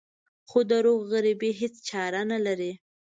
خو د روح غريبي هېڅ چاره نه لري.